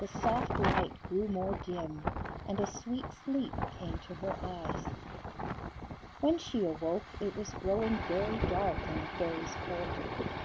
The soft light grew more dim, and a sweet sleep came to her eyes. When she awoke it was growing very dark in the fairies' court.